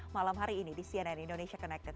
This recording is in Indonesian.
malam hari ini di cnn indonesia connected